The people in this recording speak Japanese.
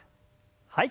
はい。